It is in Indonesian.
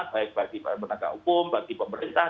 baik bagi penegak hukum bagi pemerintah